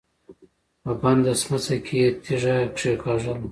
په بنده سمڅه کې يې تيږه کېکاږله.